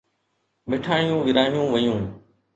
مٺايون ورهايون ويون.